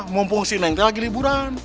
mumpung si nengte lagi liburan